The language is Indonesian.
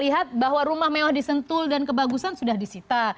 yang udah disentul dan kebagusan sudah disita